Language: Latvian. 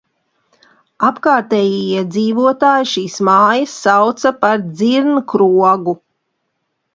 "Apkārtējie iedzīvotāji šīs mājas sauca par "Dzirnkrogu"."